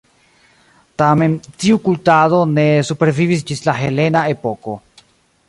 Tamen, tiu kultado ne supervivis ĝis la helena epoko.